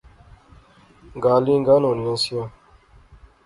گالیں گانونیاں سیاں